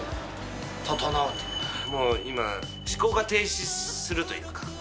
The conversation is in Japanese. もう今、思考が停止するというか。